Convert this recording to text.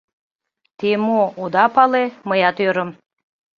— Те мо, ода пале? — мыят ӧрым.